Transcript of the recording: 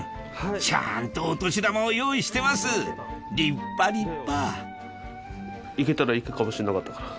ちゃんとお年玉を用意してます立派立派行けたら行くかもしれなかったから。